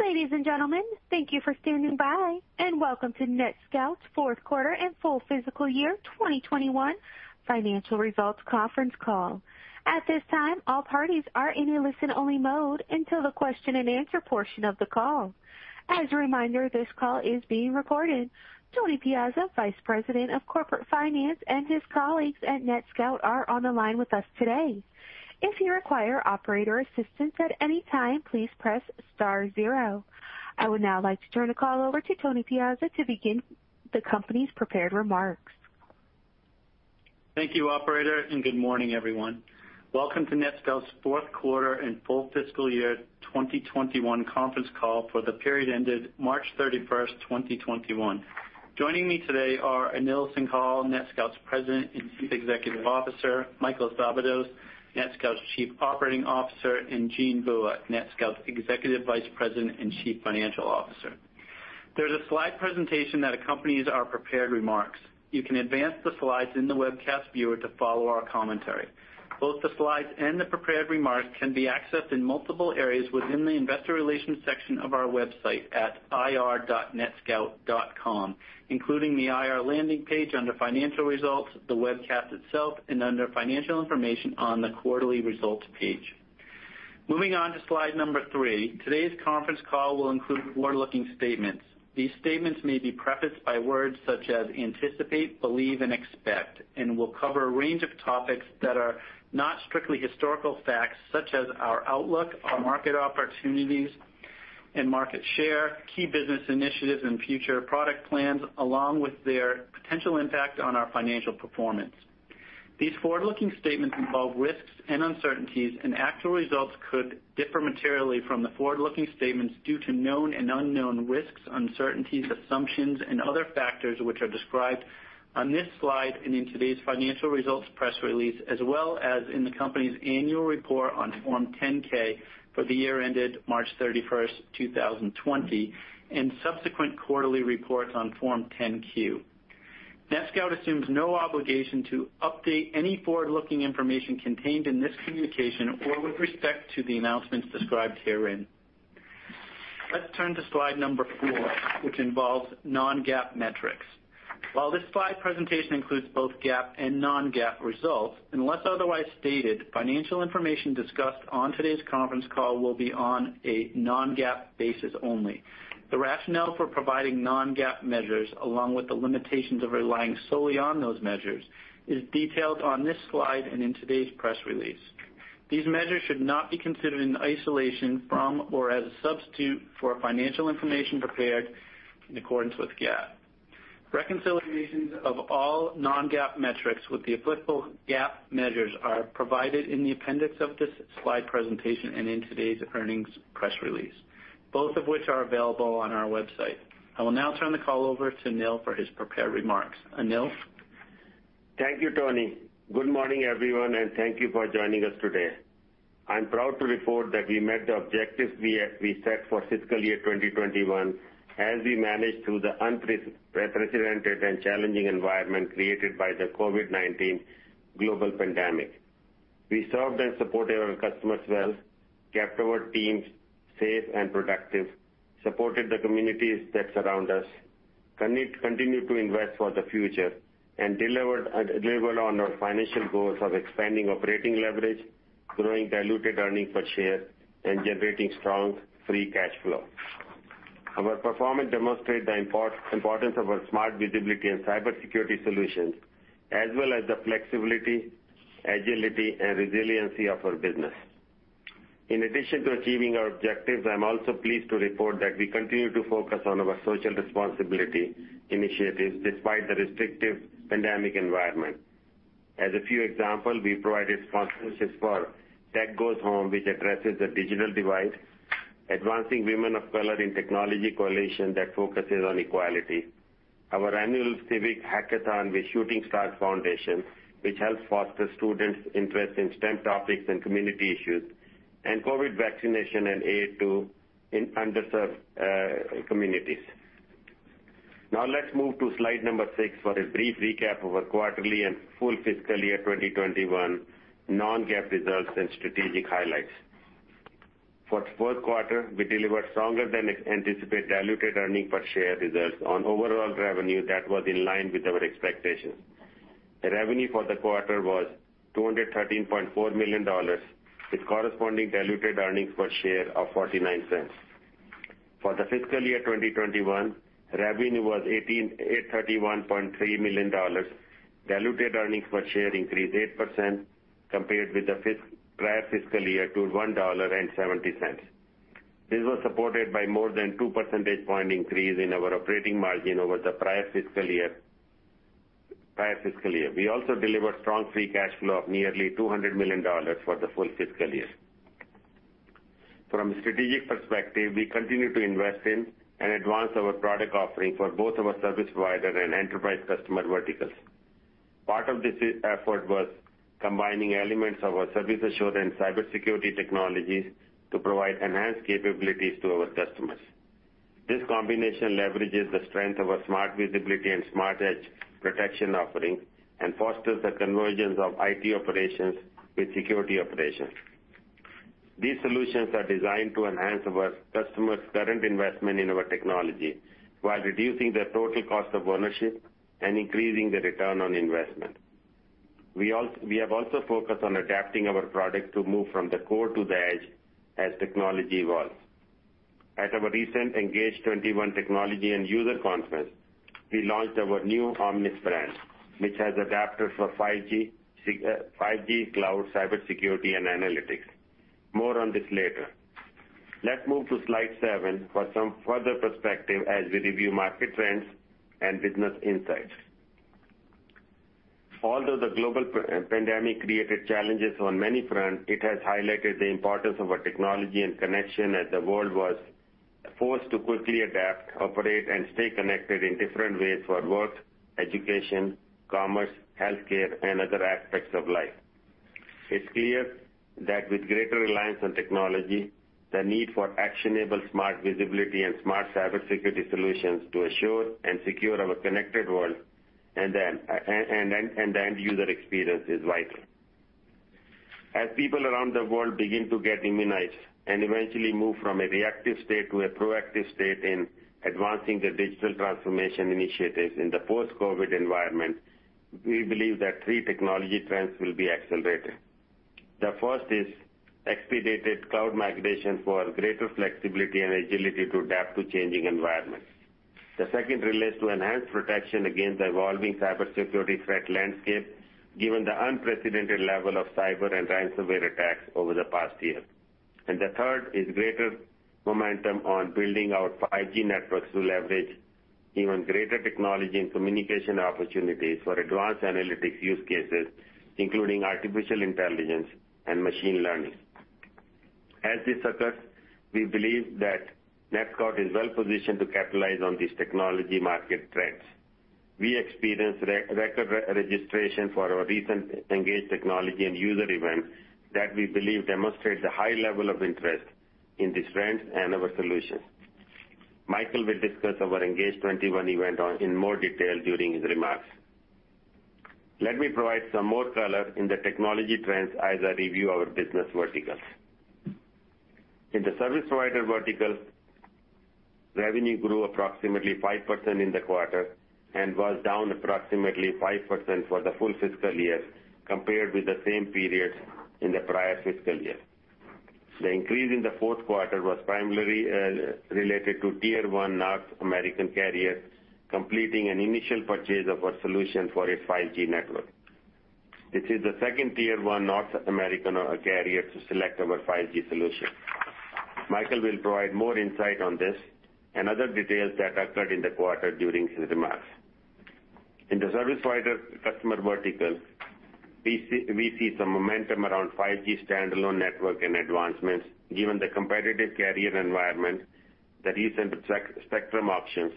Ladies and gentlemen, thank you for standing by and welcome to NetScout's fourth quarter and full fiscal year 2021 financial results conference call. At this time, all parties are in a listen-only mode until the question and answer portion of the call. As a reminder, this call is being recorded. Tony Piazza, Vice President of Corporate Finance, and his colleagues at NetScout are on the line with us today. If you require operator assistance at any time, please press star zero. I would now like to turn the call over to Tony Piazza to begin the company's prepared remarks. Thank you, operator, and good morning, everyone. Welcome to NetScout's fourth quarter and full fiscal year 2021 conference call for the period ended March 31st, 2021. Joining me today are Anil Singhal, NetScout's President and Chief Executive Officer, Michael Szabados, NetScout's Chief Operating Officer, and Jean Bua, NetScout's Executive Vice President and Chief Financial Officer. There is a slide presentation that accompanies our prepared remarks. You can advance the slides in the webcast viewer to follow our commentary. Both the slides and the prepared remarks can be accessed in multiple areas within the investor relations section of our website at ir.netscout.com, including the IR landing page under financial results, the webcast itself, and under financial information on the quarterly results page. Moving on to slide number three, today's conference call will include forward-looking statements. These statements may be prefaced by words such as anticipate, believe, and expect and will cover a range of topics that are not strictly historical facts, such as our outlook, our market opportunities and market share, key business initiatives, and future product plans, along with their potential impact on our financial performance. These forward-looking statements involve risks and uncertainties, and actual results could differ materially from the forward-looking statements due to known and unknown risks, uncertainties, assumptions, and other factors which are described on this slide and in today's financial results press release, as well as in the company's annual report on Form 10-K for the year ended March 31st, 2020, and subsequent quarterly reports on Form 10-Q. NetScout assumes no obligation to update any forward-looking information contained in this communication or with respect to the announcements described herein. Let's turn to slide number four, which involves non-GAAP metrics. While this slide presentation includes both GAAP and non-GAAP results, unless otherwise stated, financial information discussed on today's conference call will be on a non-GAAP basis only. The rationale for providing non-GAAP measures, along with the limitations of relying solely on those measures, is detailed on this slide and in today's press release. These measures should not be considered in isolation from or as a substitute for financial information prepared in accordance with GAAP. Reconciliations of all non-GAAP metrics with the applicable GAAP measures are provided in the appendix of this slide presentation and in today's earnings press release, both of which are available on our website. I will now turn the call over to Anil for his prepared remarks. Anil? Thank you, Tony. Good morning, everyone, and thank you for joining us today. I'm proud to report that we met the objectives we set for fiscal year 2021 as we managed through the unprecedented and challenging environment created by the COVID-19 global pandemic. We served and supported our customers well, kept our teams safe and productive, supported the communities that surround us, continued to invest for the future, and delivered on our financial goals of expanding operating leverage, growing diluted earnings per share, and generating strong free cash flow. Our performance demonstrates the importance of our Smart Visibility and cybersecurity solutions, as well as the flexibility, agility, and resiliency of our business. In addition to achieving our objectives, I'm also pleased to report that we continue to focus on our social responsibility initiatives despite the restrictive pandemic environment. As a few examples, we provided sponsorships for Tech Goes Home, which addresses the digital divide, Advancing Women of Color in Technology coalition that focuses on equality, our annual Civic Hackathon with Shooting Stars Foundation, which helps foster students' interest in STEM topics and community issues, and COVID vaccination and aid to underserved communities. Let's move to slide number six for a brief recap of our quarterly and full fiscal year 2021 non-GAAP results and strategic highlights. For the fourth quarter, we delivered stronger than anticipated diluted earnings per share results on overall revenue that was in line with our expectations. Revenue for the quarter was $213.4 million, with corresponding diluted earnings per share of $0.49. For the fiscal year 2021, revenue was $831.3 million. Diluted earnings per share increased 8% compared with the prior fiscal year to $1.70. This was supported by more than two percentage point increase in our operating margin over the prior fiscal year. We also delivered strong free cash flow of nearly $200 million for the full fiscal year. From a strategic perspective, we continue to invest in and advance our product offering for both our service provider and enterprise customer verticals. Part of this effort was combining elements of our service assurance cybersecurity technologies to provide enhanced capabilities to our customers. This combination leverages the strength of our Smart Visibility and Smart Edge Protection offering and fosters the convergence of IT operations with security operations. These solutions are designed to enhance our customers' current investment in our technology while reducing the total cost of ownership and increasing the return on investment. We have also focused on adapting our product to move from the core to the edge as technology evolves. At our recent ENGAGE 21 technology and user conference, we launched our new Omnis brand, which has adapted for 5G, cloud, cybersecurity, and analytics. More on this later. Let's move to slide seven for some further perspective as we review market trends and business insights. Although the global pandemic created challenges on many fronts, it has highlighted the importance of our technology and connection as the world was forced to quickly adapt, operate, and stay connected in different ways for work, education, commerce, healthcare, and other aspects of life. It's clear that with greater reliance on technology, the need for actionable Smart Visibility and smart cybersecurity solutions to assure and secure our connected world and the end-user experience is vital. As people around the world begin to get immunized and eventually move from a reactive state to a proactive state in advancing their digital transformation initiatives in the post-COVID environment, we believe that three technology trends will be accelerated. The first is expedited cloud migration for greater flexibility and agility to adapt to changing environments. The second relates to enhanced protection against the evolving cybersecurity threat landscape, given the unprecedented level of cyber and ransomware attacks over the past year. The third is greater momentum on building out 5G networks to leverage even greater technology and communication opportunities for advanced analytics use cases, including artificial intelligence and machine learning. As this occurs, we believe that NetScout is well positioned to capitalize on these technology market trends. We experienced record registration for our recent ENGAGE technology and user event that we believe demonstrates the high level of interest in these trends and our solutions. Michael will discuss our ENGAGE 21 event in more detail during his remarks. Let me provide some more color in the technology trends as I review our business verticals. In the service provider vertical, revenue grew approximately 5% in the quarter and was down approximately 5% for the full fiscal year compared with the same periods in the prior fiscal year. The increase in the fourth quarter was primarily related to Tier 1 North American carriers completing an initial purchase of our solution for a 5G network. This is the second Tier 1 North American carrier to select our 5G solution. Michael will provide more insight on this and other details that occurred in the quarter during his remarks. In the service provider customer vertical, we see some momentum around 5G standalone network and advancements given the competitive carrier environment, the recent spectrum auctions,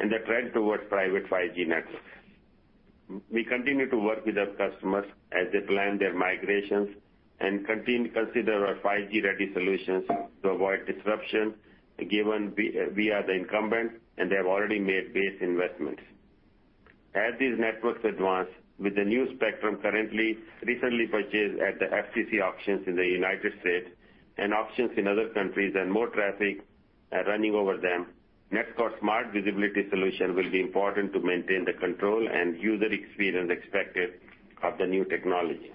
and the trend towards private 5G networks. We continue to work with our customers as they plan their migrations and continue to consider our 5G-ready solutions to avoid disruption, given we are the incumbent, and they have already made base investments. As these networks advance with the new spectrum recently purchased at the FCC auctions in the United States and auctions in other countries, and more traffic running over them, NetScout Smart Visibility solution will be important to maintain the control and user experience expected of the new technologies.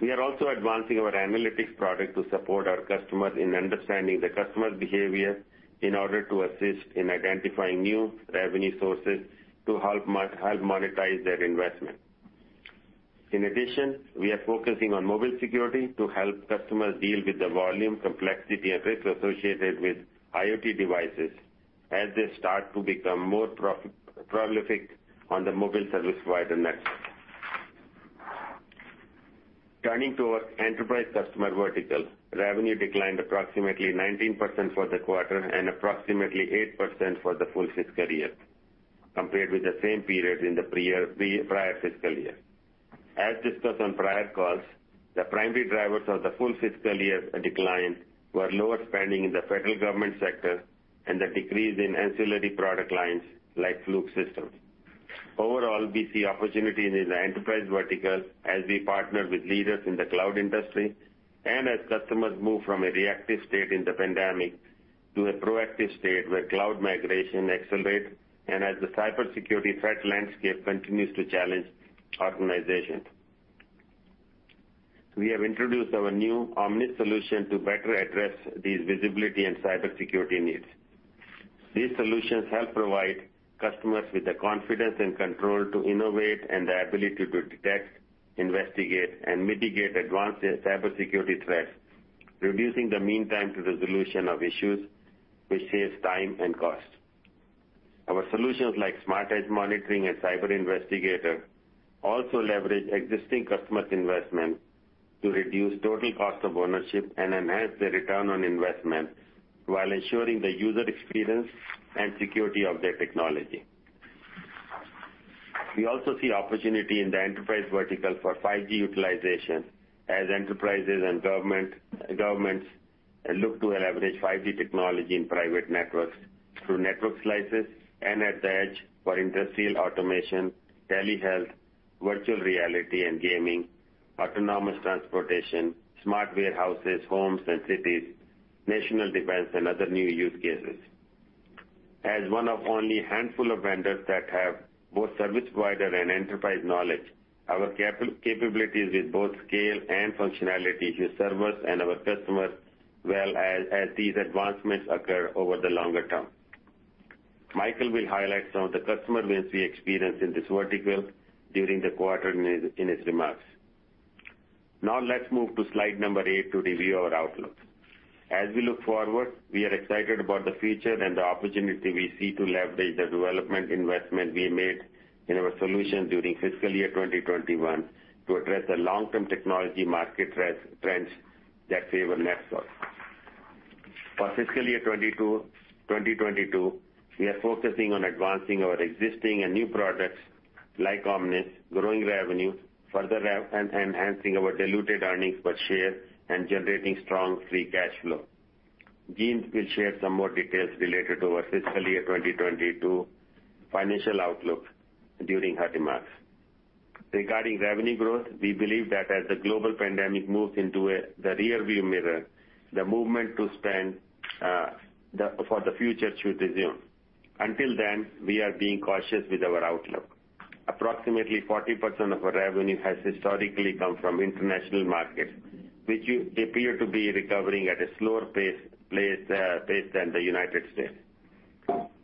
We are also advancing our analytics product to support our customers in understanding the customer's behavior in order to assist in identifying new revenue sources to help monetize their investment. In addition, we are focusing on mobile security to help customers deal with the volume, complexity, and risk associated with IoT devices as they start to become more prolific on the mobile service provider networks. Turning to our enterprise customer vertical, revenue declined approximately 19% for the quarter and approximately 8% for the full fiscal year compared with the same period in the prior fiscal year. As discussed on prior calls, the primary drivers of the full fiscal year decline were lower spending in the federal government sector and the decrease in ancillary product lines like Fluke Networks. Overall, we see opportunities in the enterprise vertical as we partner with leaders in the cloud industry and as customers move from a reactive state in the pandemic to a proactive state where cloud migration accelerates and as the cybersecurity threat landscape continues to challenge organizations. We have introduced our new Omnis solution to better address these visibility and cybersecurity needs. These solutions help provide customers with the confidence and control to innovate and the ability to detect, investigate, and mitigate advanced cybersecurity threats, reducing the meantime to resolution of issues, which saves time and cost. Our solutions like Smart Edge Monitoring and Cyber Investigator also leverage existing customer investment to reduce total cost of ownership and enhance the return on investment while ensuring the user experience and security of their technology. We also see opportunity in the enterprise vertical for 5G utilization as enterprises and governments look to leverage 5G technology in private networks through network slices and at the edge for industrial automation, telehealth, virtual reality and gaming, autonomous transportation, smart warehouses, homes and cities, national defense, and other new use cases. As one of only a handful of vendors that have both service provider and enterprise knowledge, our capabilities with both scale and functionality should serve us and our customers well as these advancements occur over the longer term. Michael will highlight some of the customer wins we experienced in this vertical during the quarter in his remarks. Now let's move to slide number eight to review our outlook. As we look forward, we are excited about the future and the opportunity we see to leverage the development investment we made in our solutions during fiscal year 2021 to address the long-term technology market trends that favor NetScout. For fiscal year 2022, we are focusing on advancing our existing and new products like Omnis, growing revenue, further enhancing our diluted earnings per share, and generating strong free cash flow. Jean will share some more details related to our fiscal year 2022 financial outlook during her remarks. Regarding revenue growth, we believe that as the global pandemic moves into the rear view mirror, the movement to spend for the future should resume. Until then, we are being cautious with our outlook. Approximately 40% of our revenue has historically come from international markets, which appear to be recovering at a slower pace than the United States.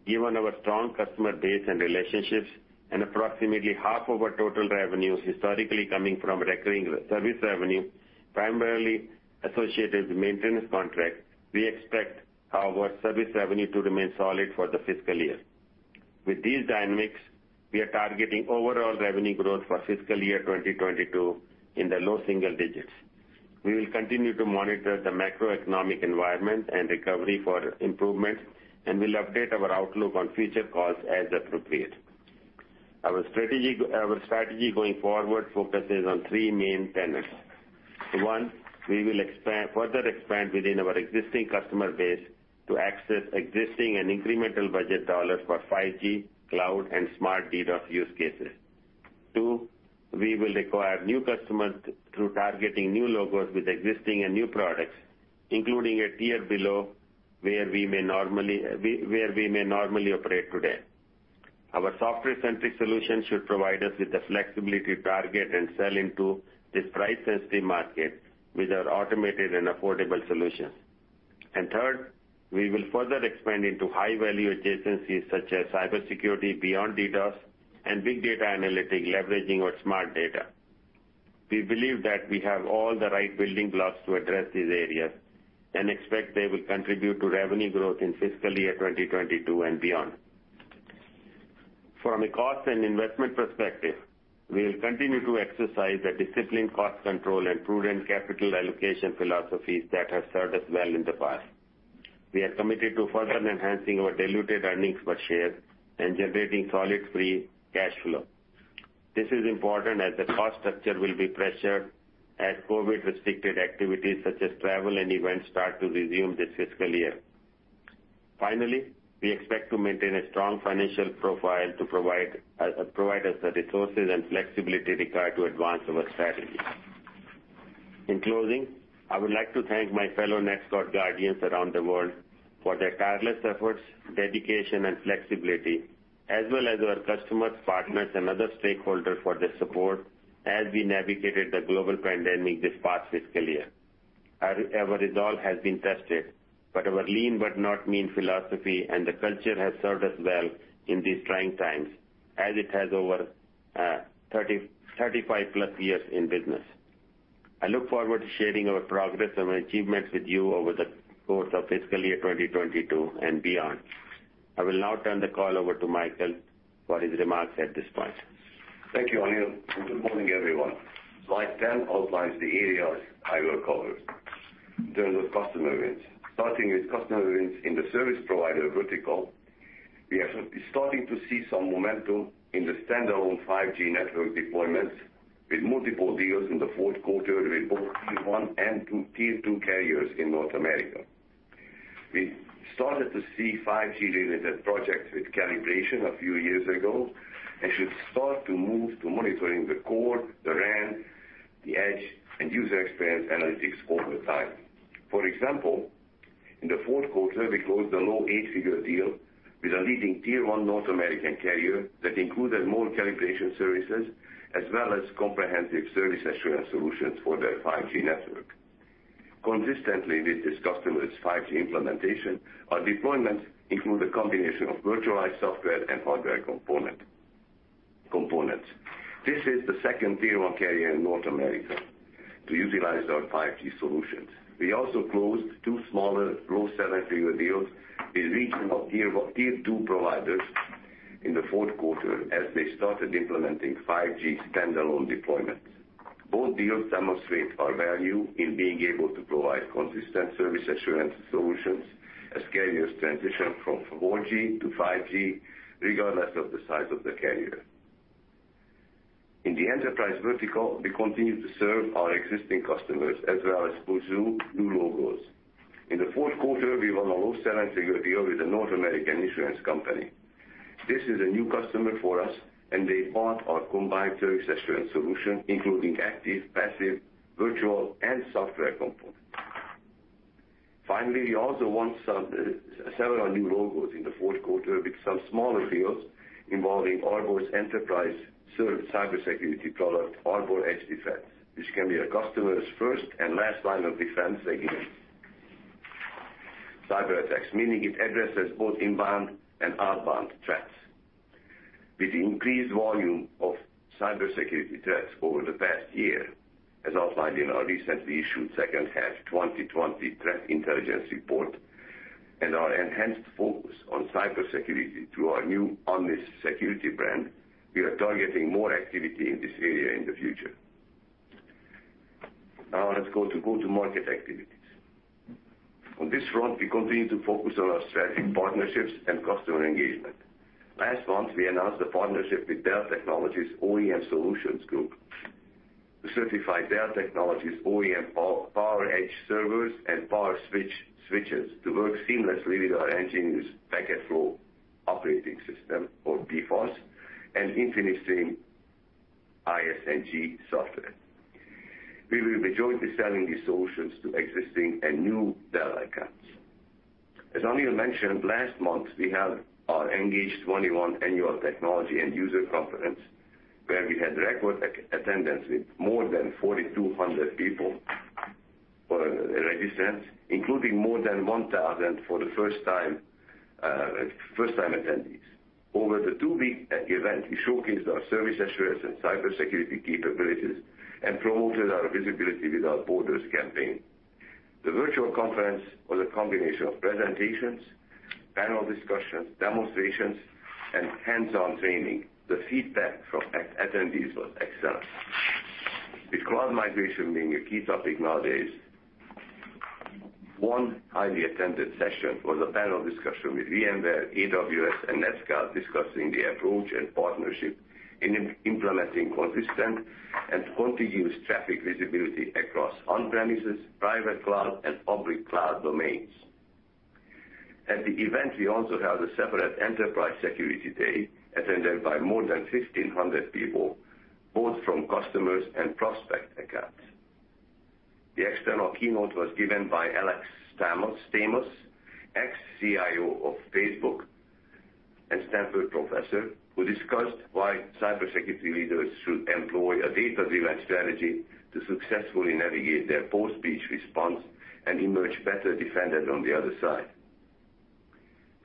Given our strong customer base and relationships and approximately half of our total revenues historically coming from recurring service revenue, primarily associated with maintenance contracts, we expect our service revenue to remain solid for the fiscal year. With these dynamics, we are targeting overall revenue growth for fiscal year 2022 in the low single digits. We will continue to monitor the macroeconomic environment and recovery for improvements, and will update our outlook on future calls as appropriate. Our strategy going forward focuses on three main tenets. One, we will further expand within our existing customer base to access existing and incremental budget dollars for 5G, cloud, and smart DDoS use cases. Two, we will acquire new customers through targeting new logos with existing and new products, including a tier below where we may normally operate today. Our software-centric solution should provide us with the flexibility to target and sell into this price-sensitive market with our automated and affordable solutions. Third, we will further expand into high-value adjacencies such as cybersecurity, beyond DDoS, and big data analytics, leveraging our smart data. We believe that we have all the right building blocks to address these areas and expect they will contribute to revenue growth in fiscal year 2022 and beyond. From a cost and investment perspective, we will continue to exercise the disciplined cost control and prudent capital allocation philosophies that have served us well in the past. We are committed to further enhancing our diluted earnings per share and generating solid free cash flow. This is important as the cost structure will be pressured as COVID-restricted activities such as travel and events start to resume this fiscal year. We expect to maintain a strong financial profile to provide us the resources and flexibility required to advance our strategy. In closing, I would like to thank my fellow NetScout Guardians around the world for their tireless efforts, dedication, and flexibility, as well as our customers, partners, and other stakeholders for their support as we navigated the global pandemic this past fiscal year. Our resolve has been tested, but our lean-but-not-mean philosophy and the culture has served us well in these trying times as it has over 35 plus years in business. I look forward to sharing our progress and achievements with you over the course of fiscal year 2022 and beyond. I will now turn the call over to Michael for his remarks at this point. Thank you, Anil, and good morning, everyone. Slide 10 outlines the areas I will cover in terms of customer wins. Starting with customer wins in the service provider vertical, we are starting to see some momentum in the standalone 5G network deployments with multiple deals in the fourth quarter with both Tier 1 and Tier 2 carriers in North America. We started to see 5G-related projects with calibration a few years ago and should start to move to monitoring the core, the RAN, the edge, and user experience analytics over time. For example, in the fourth quarter, we closed a low eight-figure deal with a leading Tier 1 North American carrier that included more calibration services as well as comprehensive service assurance solutions for their 5G network. Consistently with this customer's 5G implementation, our deployments include a combination of virtualized software and hardware components. This is the second Tier 1 carrier in North America to utilize our 5G solutions. We also closed two smaller low seven-figure deals with regional Tier 2 providers in the fourth quarter as they started implementing 5G standalone deployments. Both deals demonstrate our value in being able to provide consistent service assurance solutions as carriers transition from 4G to 5G, regardless of the size of the carrier. In the enterprise vertical, we continue to serve our existing customers as well as pursue new logos. In the fourth quarter, we won a large Omnis Security deal with a North American insurance company. This is a new customer for us, and they bought our combined service assurance solution, including active, passive, virtual, and software components. Finally, we also won several new logos in the fourth quarter with some smaller deals involving Arbor's enterprise service cybersecurity product, Arbor Edge Defense, which can be a customer's first and last line of defense against cyberattacks, meaning it addresses both inbound and outbound threats. With increased volume of cybersecurity threats over the past year, as outlined in our recently issued second half 2020 threat intelligence report, and our enhanced focus on cybersecurity through our new Omnis Security brand, we are targeting more activity in this area in the future. Now let's go to go-to-market activities. On this front, we continue to focus on our strategic partnerships and customer engagement. Last month, we announced a partnership with Dell Technologies OEM Solutions Group to certify Dell Technologies OEM PowerEdge servers and PowerSwitch switches to work seamlessly with our nGenius Packet Flow Operating System or PFOS and InfiniStreamNG software. We will be jointly selling these solutions to existing and new Dell accounts. As Anil mentioned, last month, we held our ENGAGE 21 annual technology and user conference, where we had record attendance with more than 4,200 people registered, including more than 1,000 first-time attendees. Over the two-week event, we showcased our service assurance and cybersecurity capabilities and promoted our Visibility Without Borders campaign. The virtual conference was a combination of presentations, panel discussions, demonstrations, and hands-on training. The feedback from attendees was excellent. With cloud migration being a key topic nowadays, one highly attended session was a panel discussion with VMware, AWS, and NetScout discussing the approach and partnership in implementing consistent and contiguous traffic visibility across on-premises, private cloud, and public cloud domains. At the event, we also held a separate enterprise security day attended by more than 1,500 people, both from customers and prospect accounts. The external keynote was given by Alex Stamos, ex-CSO of Facebook and Stanford professor, who discussed why cybersecurity leaders should employ a data-driven strategy to successfully navigate their post-breach response and emerge better defended on the other side.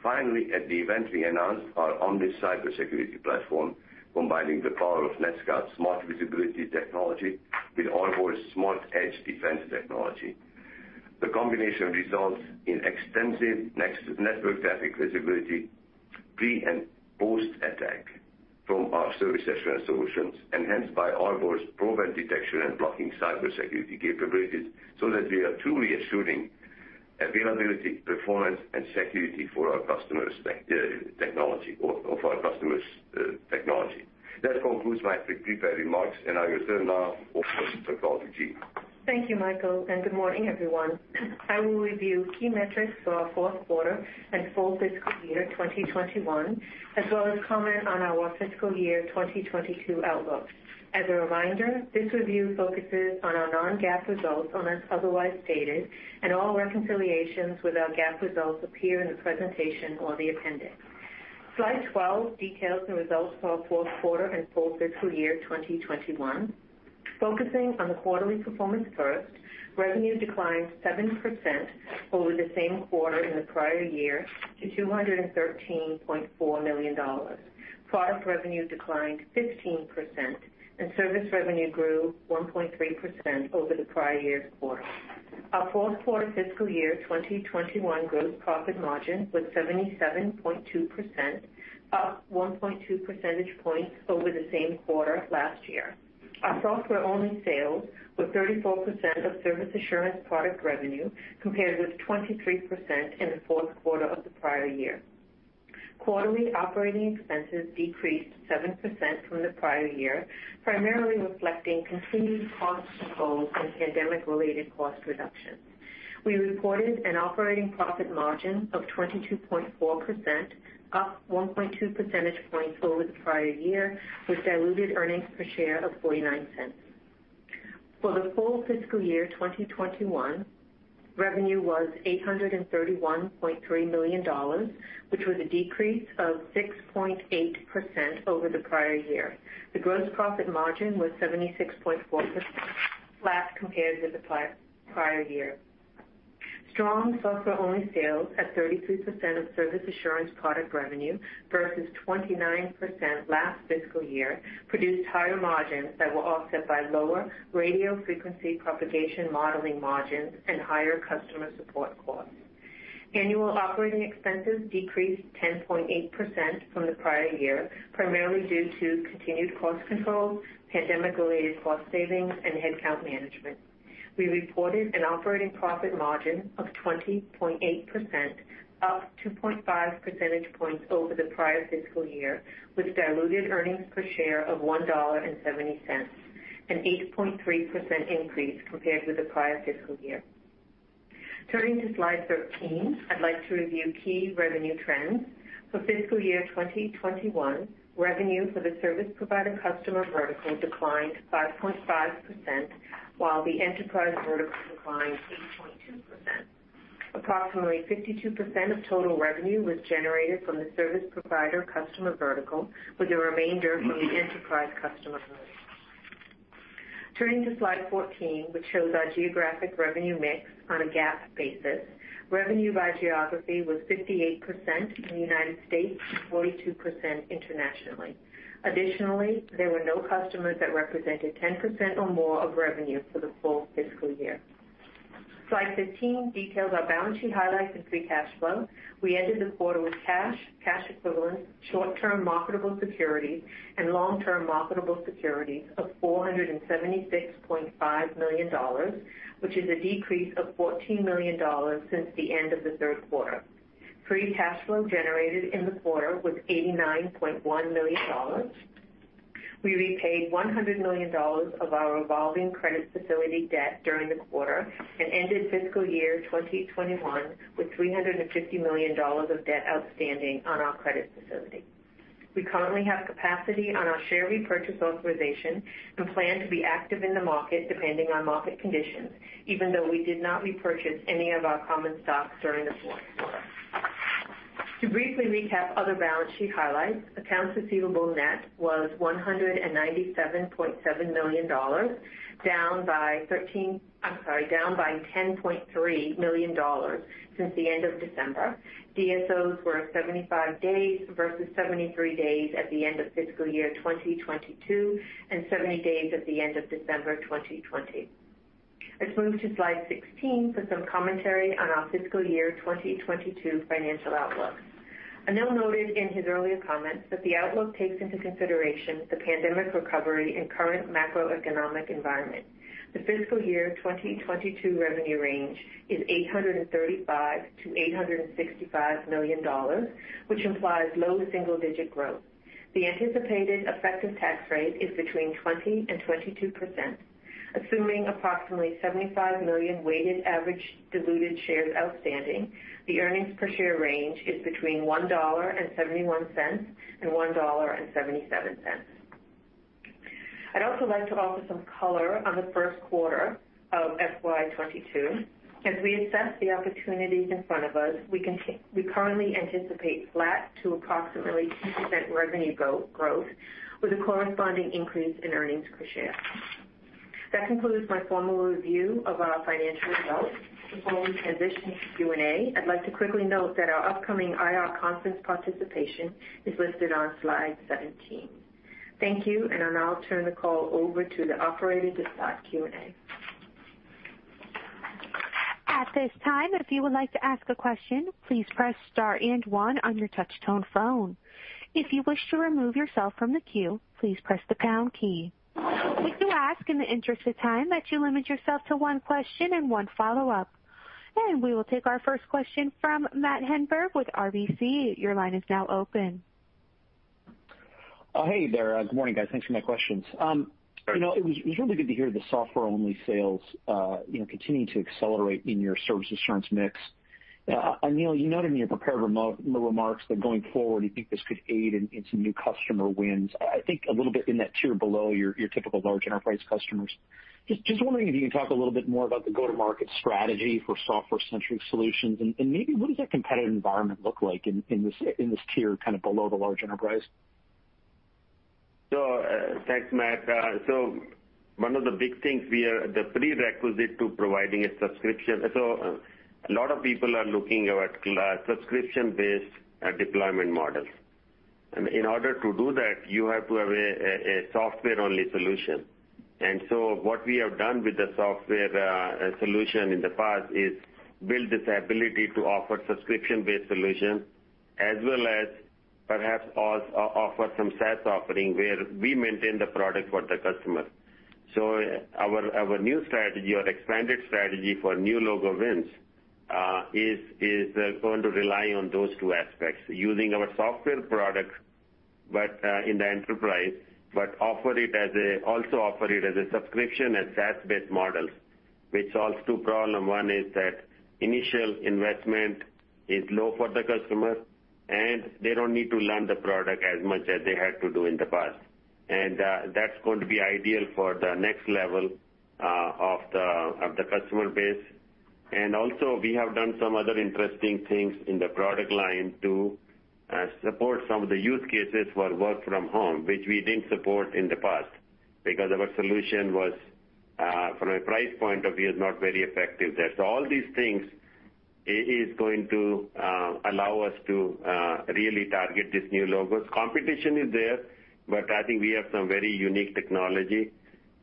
Finally, at the event, we announced our Omnis cybersecurity platform, combining the power of NetScout's Smart Visibility technology with Arbor Edge Defense technology. The combination results in extensive network traffic visibility pre and post-attack from our service assurance solutions, enhanced by Arbor's proven detection and blocking cybersecurity capabilities so that we are truly assuring availability, performance, and security for our customers' technology. That concludes my prepared remarks, and I will turn now over to Jean, EVP. Thank you, Michael, and good morning, everyone. I will review key metrics for our fourth quarter and full fiscal year 2021, as well as comment on our fiscal year 2022 outlook. As a reminder, this review focuses on our non-GAAP results unless otherwise stated, and all reconciliations with our GAAP results appear in the presentation or the appendix. Slide 12 details the results for our fourth quarter and full fiscal year 2021. Focusing on the quarterly performance first, revenue declined 7% over the same quarter in the prior year to $213.4 million. Product revenue declined 15%, and service revenue grew 1.3% over the prior year's quarter. Our fourth quarter fiscal year 2021 gross profit margin was 77.2%, up 1.2 percentage points over the same quarter last year. Our software-only sales were 34% of service assurance product revenue, compared with 23% in the fourth quarter of the prior year. Quarterly operating expenses decreased 7% from the prior year, primarily reflecting continued cost controls and pandemic-related cost reductions. We reported an operating profit margin of 22.4%, up 1.2 percentage points over the prior year, with diluted earnings per share of $0.49. For the full fiscal year 2021, revenue was $831.3 million, which was a decrease of 6.8% over the prior year. The gross profit margin was 76.4%, flat compared to the prior year. Strong software-only sales at 33% of service assurance product revenue versus 29% last fiscal year produced higher margins that were offset by lower radio frequency propagation modeling margins and higher customer support costs. Annual operating expenses decreased 10.8% from the prior year, primarily due to continued cost control, pandemic-related cost savings, and headcount management. We reported an operating profit margin of 20.8%, up 2.5 percentage points over the prior fiscal year, with diluted earnings per share of $1.70, an 8.3% increase compared with the prior fiscal year. Turning to slide 13, I'd like to review key revenue trends. For fiscal year 2021, revenue for the service provider customer vertical declined 5.5%, while the enterprise vertical declined 8.2%. Approximately 52% of total revenue was generated from the service provider customer vertical, with the remainder from the enterprise customer vertical. Turning to slide 14, which shows our geographic revenue mix on a GAAP basis. Revenue by geography was 58% in the United States and 42% internationally. Additionally, there were no customers that represented 10% or more of revenue for the full fiscal year. Slide 15 details our balance sheet highlights and free cash flow. We ended the quarter with cash equivalents, short-term marketable securities, and long-term marketable securities of $476.5 million, which is a decrease of $14 million since the end of the third quarter. Free cash flow generated in the quarter was $89.1 million. We repaid $100 million of our revolving credit facility debt during the quarter and ended fiscal year 2021 with $350 million of debt outstanding on our credit facility. We currently have capacity on our share repurchase authorization and plan to be active in the market depending on market conditions, even though we did not repurchase any of our common stocks during the fourth quarter. To briefly recap other balance sheet highlights, accounts receivable net was $197.7 million, down by $10.3 million since the end of December. DSOs were 75 days versus 73 days at the end of fiscal year 2022 and 70 days at the end of December 2020. Let's move to slide 16 for some commentary on our fiscal year 2022 financial outlook. Anil noted in his earlier comments that the outlook takes into consideration the pandemic recovery and current macroeconomic environment. The fiscal year 2022 revenue range is $835 million-$865 million, which implies low single-digit growth. The anticipated effective tax rate is between 20%-22%, assuming approximately $75 million weighted average diluted shares outstanding, the earnings per share range is between $1.71 and $1.77. I'd also like to offer some color on the first quarter of FY 2022. As we assess the opportunities in front of us, we currently anticipate flat to approximately 2% revenue growth with a corresponding increase in earnings per share. That concludes my formal review of our financial results. Before we transition to Q&A, I'd like to quickly note that our upcoming IR conference participation is listed on slide 17. Thank you, I'll now turn the call over to the operator to start Q&A. At this time, if you would like to ask the question please press star and one on your touch-tone phone. If you wish to remove your self from the queue please press pound key. If you ask limit your self in one question and one follow up. We will take our first question from Matt Hedberg with RBC. Your line is now open. Hey there. Good morning, guys. Thanks for my questions. Sure. It was really good to hear the software-only sales continuing to accelerate in your service assurance mix. Anil, you noted in your prepared remarks that going forward, you think this could aid in some new customer wins, I think a little bit in that tier below your typical large enterprise customers. Just wondering if you can talk a little bit more about the go-to-market strategy for software-centric solutions and maybe what does that competitive environment look like in this tier below the large enterprise? Thanks, Matt. One of the big things, the prerequisite to providing a subscription. A lot of people are looking at subscription-based deployment models. In order to do that, you have to have a software-only solution. What we have done with the software solution in the past is build this ability to offer subscription-based solutions, as well as perhaps also offer some SaaS offering where we maintain the product for the customer. Our new strategy or expanded strategy for new logo wins, is going to rely on those two aspects, using our software product in the enterprise, but also offer it as a subscription and SaaS-based models, which solves two problems. One is that initial investment is low for the customer, and they don't need to learn the product as much as they had to do in the past. That's going to be ideal for the next level of the customer base. Also, we have done some other interesting things in the product line to support some of the use cases for work from home, which we didn't support in the past because our solution was, from a price point of view, not very effective there. All these things is going to Allow us to really target these new logos. Competition is there, but I think we have some very unique technology,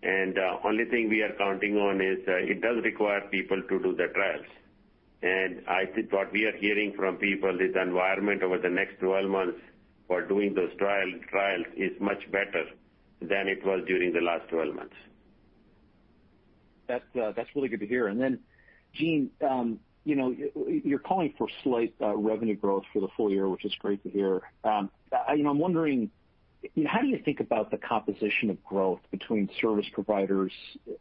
and only thing we are counting on is, it does require people to do the trials. I think what we are hearing from people, this environment over the next 12 months for doing those trials is much better than it was during the last 12 months. That's really good to hear. Jean, you're calling for slight revenue growth for the full year, which is great to hear. I'm wondering, how do you think about the composition of growth between service providers,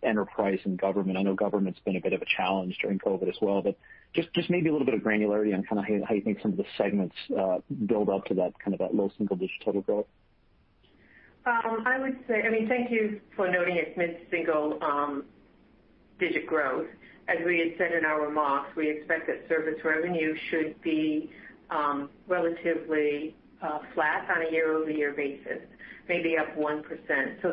enterprise, and government? I know government's been a bit of a challenge during COVID as well, but just maybe a little bit of granularity on how you think some of the segments build up to that low single-digit total growth. Thank you for noting it's mid-single digit growth. As we had said in our remarks, we expect that service revenue should be relatively flat on a year-over-year basis, maybe up 1%.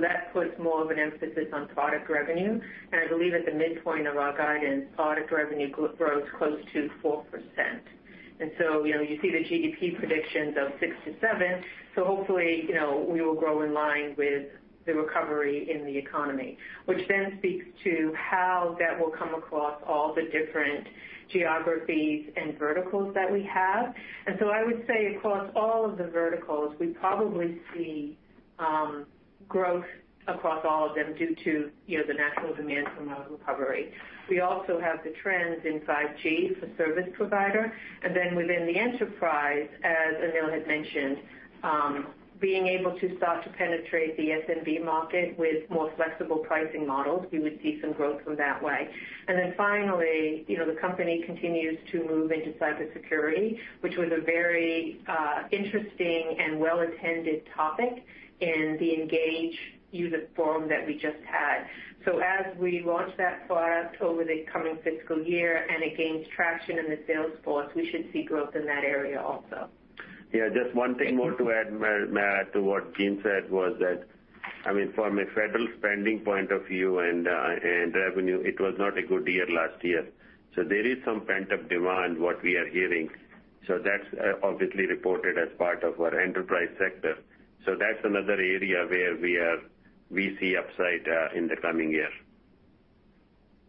That puts more of an emphasis on product revenue. I believe at the midpoint of our guidance, product revenue growth close to 4%. You see the GDP predictions of 6%-7%, hopefully, we will grow in line with the recovery in the economy. Which then speaks to how that will come across all the different geographies and verticals that we have. I would say across all of the verticals, we probably see growth across all of them due to the natural demand from our recovery. We also have the trends in 5G for service provider, within the enterprise, as Anil had mentioned, being able to start to penetrate the SMB market with more flexible pricing models, we would see some growth from that way. Finally, the company continues to move into cybersecurity, which was a very interesting and well-attended topic in the Engage user forum that we just had. As we launch that product over the coming fiscal year and it gains traction in the sales force, we should see growth in that area also. Just one thing more to add, Matt, to what Jean said was that, from a federal spending point of view and revenue, it was not a good year last year. There is some pent-up demand, what we are hearing. That's obviously reported as part of our enterprise sector. That's another area where we see upside in the coming year.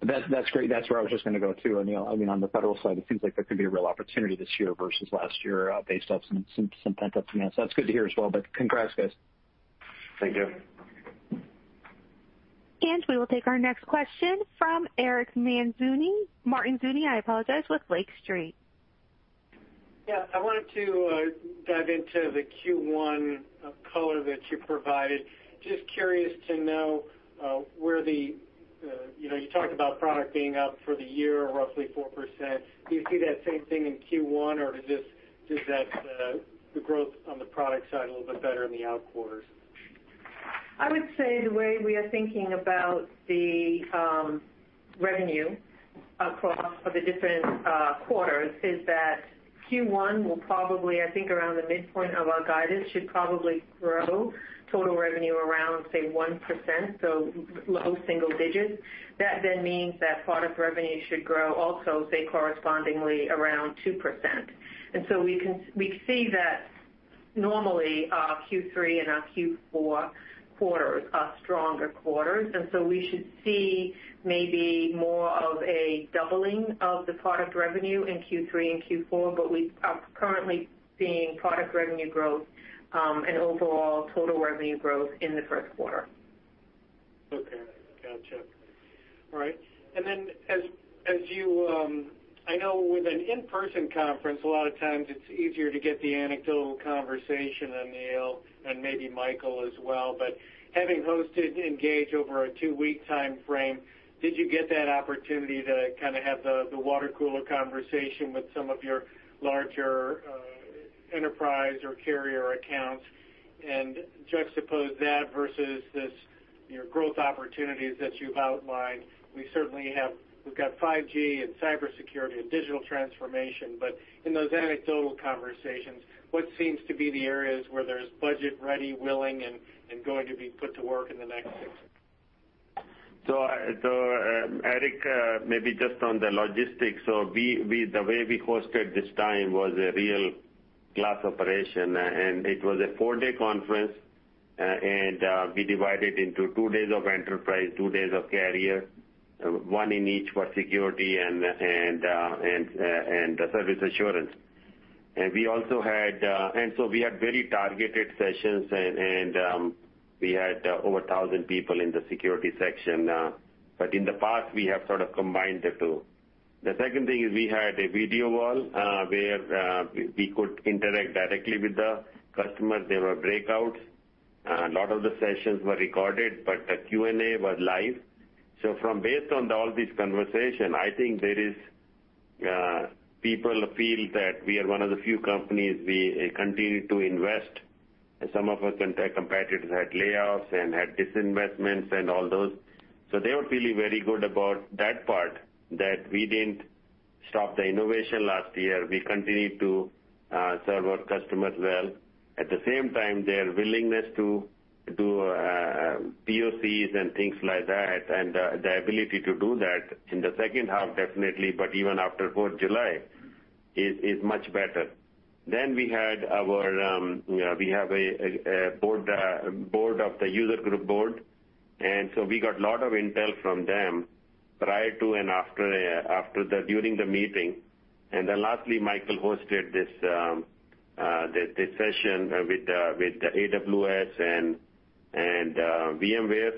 That's great. That's where I was just going to go, too, Anil. On the federal side, it seems like there could be a real opportunity this year versus last year based off some pent-up demand. That's good to hear as well. Congrats, guys. Thank you. We will take our next question from Eric Martinuzzi. Martinuzzi, I apologize, with Lake Street. Yeah. I wanted to dive into the Q1 code that you provided. Just curious to know, you talked about product being up for the year roughly 4%. Do you see that same thing in Q1, or is the growth on the product side a little bit better in the out quarters? I would say the way we are thinking about the revenue across the different quarters is that Q1, I think around the midpoint of our guidance, should probably grow total revenue around, say, 1%, so low single digits. That means that product revenue should grow also, say, correspondingly around 2%. We see that normally our Q3 and our Q4 quarters are stronger quarters, and so we should see maybe more of a doubling of the product revenue in Q3 and Q4, but we are currently seeing product revenue growth and overall total revenue growth in the first quarter. Okay. Gotcha. All right. I know with an in-person conference, a lot of times it's easier to get the anecdotal conversation, Anil, and maybe Michael as well. Having hosted ENGAGE over a two-week time frame, did you get that opportunity to have the water cooler conversation with some of your larger enterprise or carrier accounts and juxtapose that versus this growth opportunities that you've outlined? We've got 5G and cybersecurity and digital transformation. In those anecdotal conversations, what seems to be the areas where there's budget ready, willing, and going to be put to work in the next six months? Eric, maybe just on the logistics. The way we hosted this time was a real class operation, and it was a four-day conference, and we divided into two days of enterprise, two days of carrier, 1 in each for security and service assurance. We had very targeted sessions, and we had over 1,000 people in the security section. In the past, we have sort of combined the two. The second thing is we had a video wall, where we could interact directly with the customers. There were breakouts. A lot of the sessions were recorded, but the Q&A was live. Based on all these conversations, I think people feel that we are one of the few companies, we continue to invest. Some of our competitors had layoffs and had disinvestment and all those. They were feeling very good about that part, that we didn't stop the innovation last year. We continued to serve our customers well. At the same time, their willingness to do POCs and things like that, and the ability to do that in the second half, definitely, but even after 4th of July, is much better. We have a board of the user group board, and so we got a lot of intel from them prior to and during the meeting. Lastly, Michael hosted this session with AWS and VMware,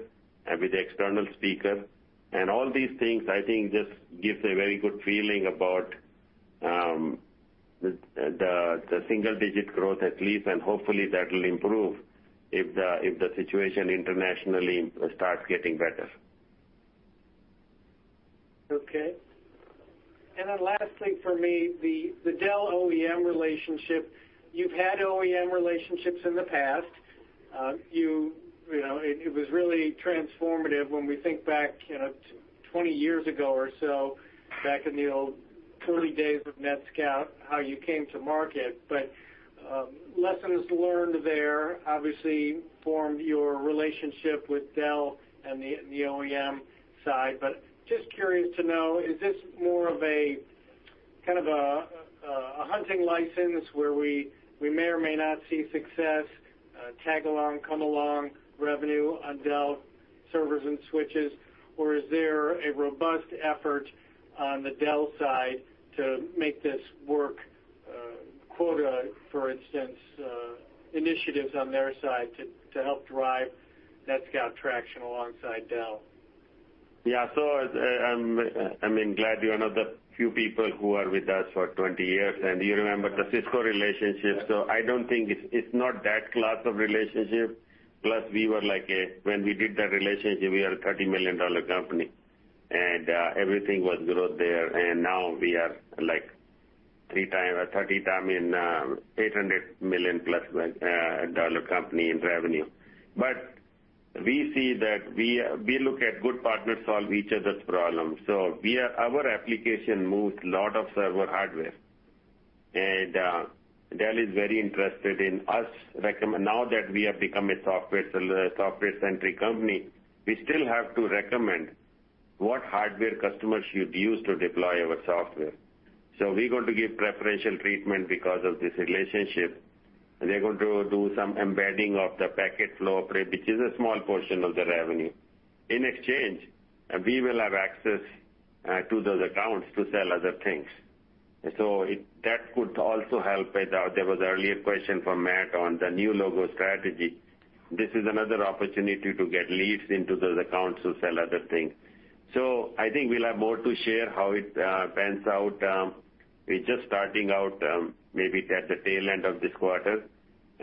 and with the external speaker. All these things, I think, just gives a very good feeling about the single-digit growth at least, and hopefully, that will improve if the situation internationally starts getting better. Okay. Then lastly for me, the Dell OEM relationship. You've had OEM relationships in the past. It was really transformative when we think back, 20 years ago or so, back in the old early days of NetScout, how you came to market. Lessons learned there obviously formed your relationship with Dell and the OEM side. Just curious to know, is this more of a hunting license where we may or may not see success, a tag-along, come-along revenue on Dell servers and switches, or is there a robust effort on the Dell side to make this work quota, for instance, initiatives on their side to help drive NetScout traction alongside Dell? Yeah. I'm glad you're one of the few people who are with us for 20 years, and you remember the Cisco relationship. I don't think it's not that class of relationship. When we did that relationship, we were a $30 million company, and everything was growth there. Now we are like 30 times, $800 million plus dollar company in revenue. We look at good partners solve each other's problems. Our application moves a lot of server hardware, and Dell is very interested in us. Now that we have become a software-centric company, we still have to recommend what hardware customers should use to deploy our software. We're going to give preferential treatment because of this relationship, and they're going to do some embedding of the Packet Flow Switch, which is a small portion of the revenue. In exchange, we will have access to those accounts to sell other things. That could also help. There was an earlier question from Matt on the new logo strategy. This is another opportunity to get leads into those accounts to sell other things. I think we'll have more to share how it pans out. We're just starting out, maybe at the tail end of this quarter.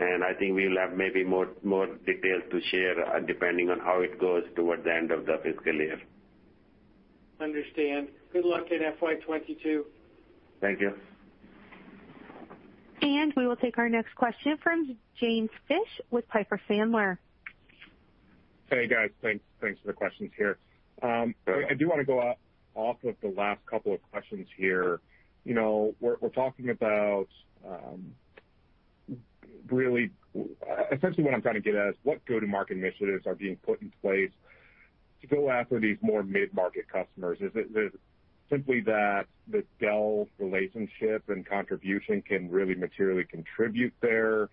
I think we'll have maybe more details to share, depending on how it goes towards the end of the fiscal year. Understand. Good luck in FY 2022. Thank you. We will take our next question from James Fish with Piper Sandler. Hey, guys. Thanks for the questions here. Sure. I do want to go off of the last couple of questions here. Essentially, what I'm trying to get at is, what go-to-market initiatives are being put in place to go after these more mid-market customers? Is it simply that the Dell relationship and contribution can really materially contribute there?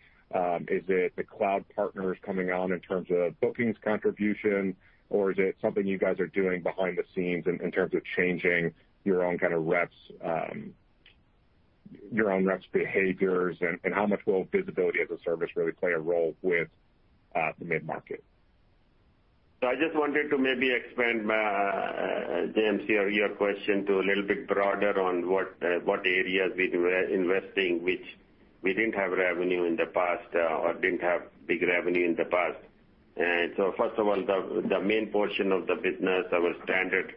Is it the cloud partners coming on in terms of bookings contribution, or is it something you guys are doing behind the scenes in terms of changing your own reps' behaviors, and how much will Visibility as a Service really play a role with the mid-market? I just wanted to maybe expand, James, your question to a little bit broader on what areas we were investing, which we didn't have revenue in the past or didn't have big revenue in the past. First of all, the main portion of the business, our standard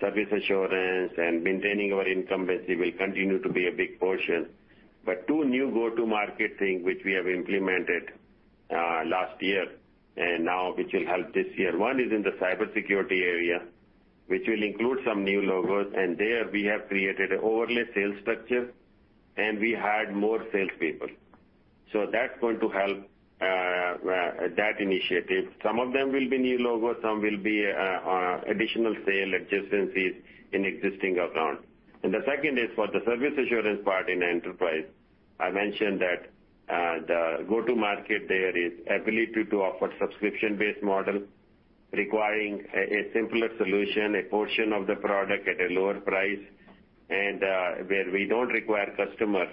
service assurance and maintaining our income base will continue to be a big portion. Two new go-to-market thing which we have implemented last year, and now which will help this year. One is in the cybersecurity area, which will include some new logos, and there we have created an overlay sales structure, and we hired more salespeople. That's going to help that initiative. Some of them will be new logos, some will be additional sale adjacencies in existing accounts. The second is for the service assurance part in enterprise. I mentioned that the go-to-market there is ability to offer subscription-based model requiring a simpler solution, a portion of the product at a lower price, and where we don't require customer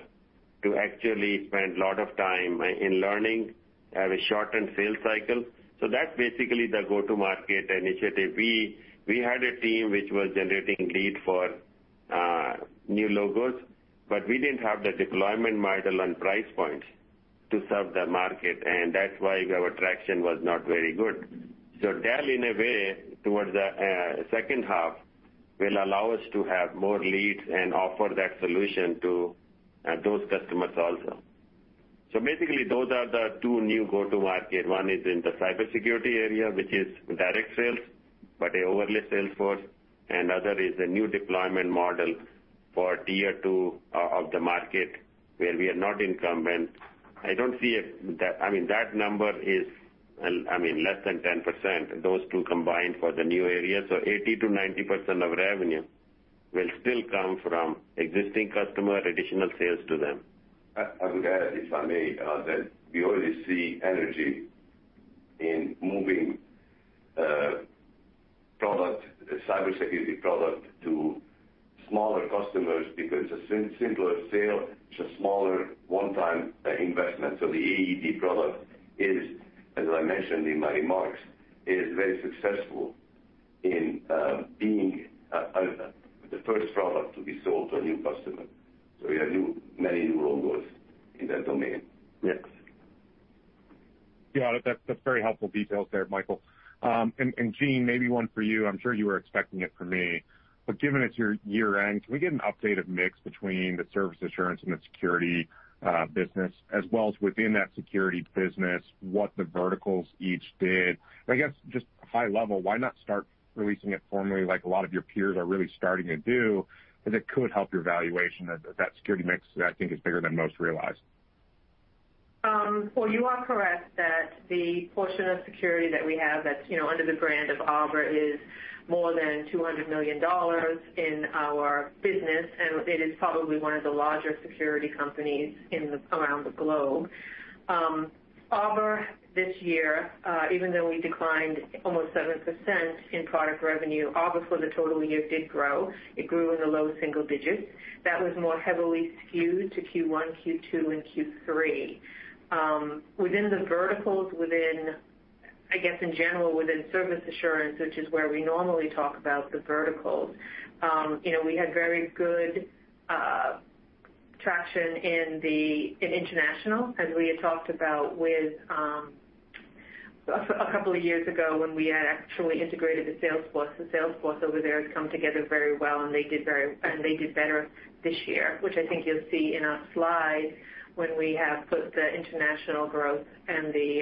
to actually spend a lot of time in learning, have a shortened sales cycle. That's basically the go-to-market initiative. We had a team which was generating lead for new logos, but we didn't have the deployment model and price points to serve the market, and that's why our traction was not very good. Dell, in a way, towards the second half, will allow us to have more leads and offer that solution to those customers also. Basically, those are the two new go-to-market. One is in the cybersecurity area, which is direct sales. But overlay sales force, and other is a new deployment model for Tier 2 of the market where we are not incumbent. That number is less than 10%, those two combined for the new area. 80%-90% of revenue will still come from existing customer, additional sales to them. I would add, if I may, that we already see energy in moving product, cybersecurity product, to smaller customers because it's a simpler sale, it's a smaller one-time investment. The AED product is, as I mentioned in my remarks, very successful in being the first product to be sold to a new customer. We have many new logos in that domain. Yes. Yeah, that's very helpful details there, Michael. Jean, maybe one for you. I'm sure you were expecting it from me. Given it's your year-end, can we get an update of mix between the service assurance and the security business as well as within that security business, what the verticals each did? I guess, just high level, why not start releasing it formally like a lot of your peers are really starting to do, because it could help your valuation. That security mix, I think, is bigger than most realize. You are correct that the portion of security that we have that's under the brand of Arbor is more than $200 million in our business. It is probably one of the larger security companies around the globe. Arbor this year, even though we declined almost 7% in product revenue, Arbor for the total year did grow. It grew in the low single digits. That was more heavily skewed to Q1, Q2, and Q3. Within the verticals, I guess in general within service assurance, which is where we normally talk about the verticals, we had very good traction in international, as we had talked about a couple of years ago when we had actually integrated the sales force. The sales force over there has come together very well, and they did better this year, which I think you'll see in our slides when we have put the international growth and the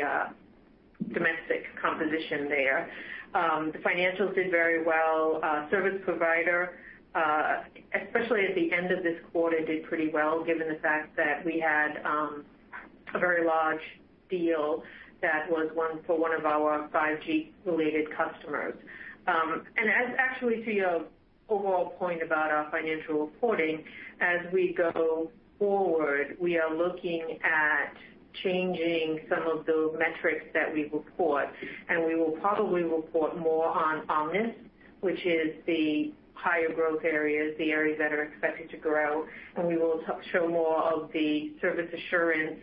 domestic composition there. The financials did very well. Service provider, especially at the end of this quarter, did pretty well given the fact that we had a very large deal that was for one of our 5G-related customers. As actually to your overall point about our financial reporting, as we go forward, we are looking at changing some of the metrics that we report, and we will probably report more on Omnis, which is the higher growth areas, the areas that are expected to grow. We will show more of the service assurance,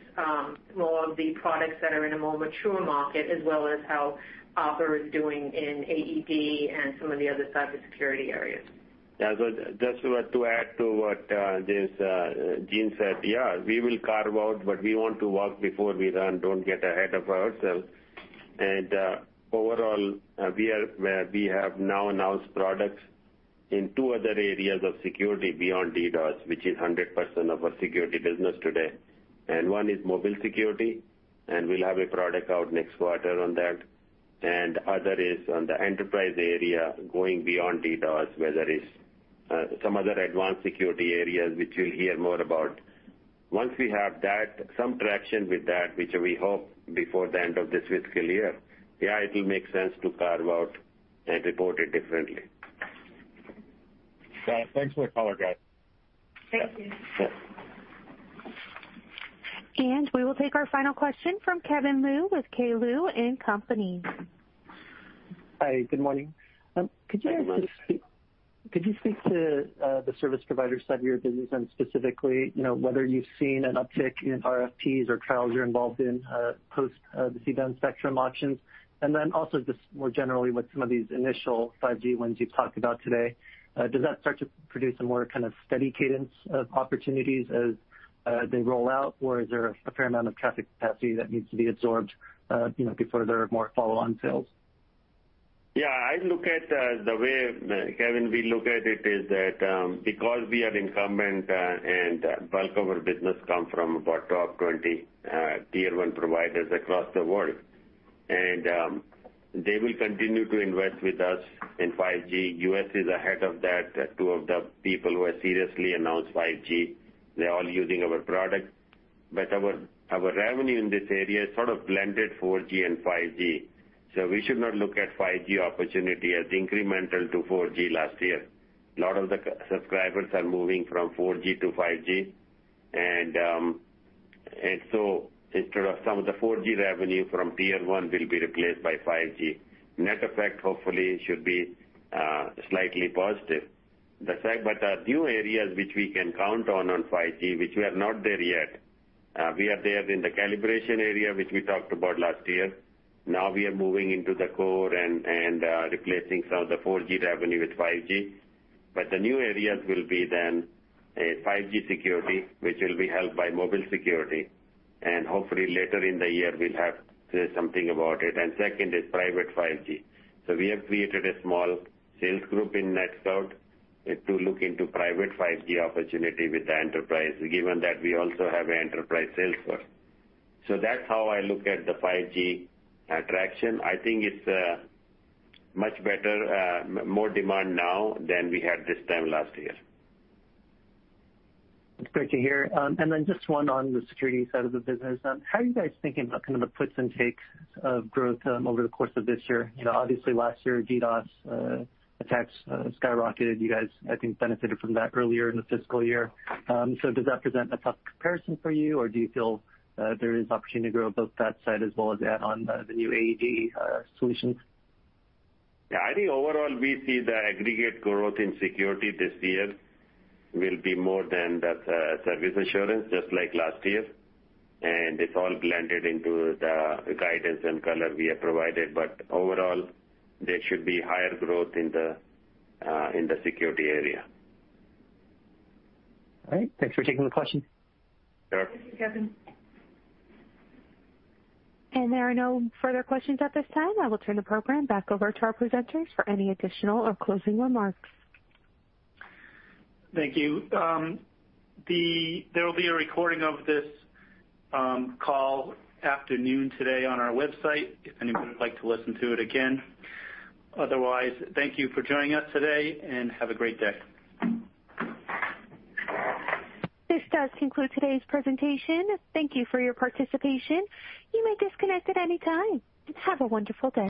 more of the products that are in a more mature market, as well as how Arbor is doing in AED and some of the other cybersecurity areas. Just to add to what Jean said, we will carve out what we want to walk before we run, don't get ahead of ourselves. Overall, we have now announced products in two other areas of security beyond DDoS, which is 100% of our security business today. One is mobile security, we'll have a product out next quarter on that. Other is on the enterprise area, going beyond DDoS, whether it's some other advanced security areas, which we'll hear more about. Once we have some traction with that, which we hope before the end of this fiscal year, it will make sense to carve out and report it differently. Got it. Thanks for the color, guys. Thank you. Yeah. We will take our final question from Kevin Liu with K. Liu & Company. Hi, good morning. Hi, Kevin. Could you speak to the service provider side of your business and specifically, whether you've seen an uptick in RFPs or trials you're involved in post the C-band spectrum auctions? Also just more generally with some of these initial 5G wins you talked about today, does that start to produce a more steady cadence of opportunities as they roll out, or is there a fair amount of traffic capacity that needs to be absorbed before there are more follow-on sales? Yeah, Kevin, we look at it is that because we are incumbent and bulk of our business come from about top 20 Tier 1 providers across the world, and they will continue to invest with us in 5G. U.S. is ahead of that. Two of the people who have seriously announced 5G, they're all using our product. Our revenue in this area is sort of blended 4G and 5G. We should not look at 5G opportunity as incremental to 4G last year. A lot of the subscribers are moving from 4G to 5G. Instead of some of the 4G revenue from Tier 1 will be replaced by 5G. Net effect, hopefully, should be slightly positive. Our new areas which we can count on 5G, which we are not there yet, we are there in the calibration area, which we talked about last year. Now we are moving into the core and replacing some of the 4G revenue with 5G. The new areas will be then a 5G security, which will be held by mobile security, and hopefully later in the year, we'll have something about it. Second is private 5G. We have created a small sales group in NetScout to look into private 5G opportunity with the enterprise, given that we also have enterprise sales force. That's how I look at the 5G traction. I think it's much better, more demand now than we had this time last year. That's great to hear. Just one on the security side of the business. How are you guys thinking about the puts and takes of growth over the course of this year? Obviously, last year, DDoS attacks skyrocketed. You guys, I think, benefited from that earlier in the fiscal year. Does that present a tough comparison for you, or do you feel there is opportunity to grow both that side as well as on the new AED solutions? I think overall, we see the aggregate growth in security this year will be more than the service assurance, just like last year, and it's all blended into the guidance and color we have provided. Overall, there should be higher growth in the security area. All right. Thanks for taking the question. Sure. Thank you, Kevin. There are no further questions at this time. I will turn the program back over to our presenters for any additional or closing remarks. Thank you. There will be a recording of this call after noon today on our website if anyone would like to listen to it again. Otherwise, thank you for joining us today, and have a great day. This does conclude today's presentation. Thank you for your participation. You may disconnect at any time. Have a wonderful day.